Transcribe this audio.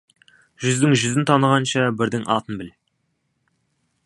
Жүздің жүзін танығанша, бірдің атын біл.